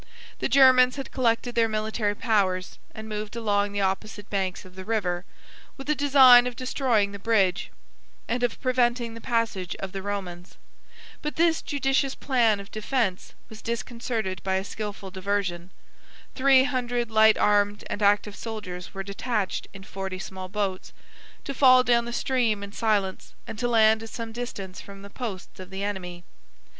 The Germans had collected their military powers, and moved along the opposite banks of the river, with a design of destroying the bridge, and of preventing the passage of the Romans. But this judicious plan of defence was disconcerted by a skilful diversion. Three hundred light armed and active soldiers were detached in forty small boats, to fall down the stream in silence, and to land at some distance from the posts of the enemy.